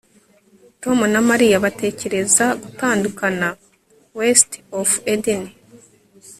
Tom na Mariya batekereza gutandukana WestofEden